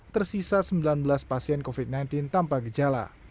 tersisa sembilan belas pasien covid sembilan belas tanpa gejala